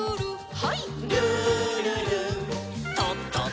はい。